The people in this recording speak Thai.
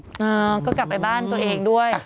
อ่าก็กลับไปบ้านตัวเองด้วย